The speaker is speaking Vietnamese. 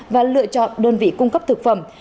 và lựa chọn đơn vị cung cấp thực phẩm